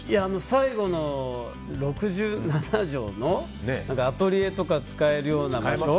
最後の６７畳のアトリエとか使えるような。